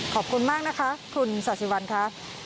ขอบคุณมากนะคะคุณศาสิวันค่ะ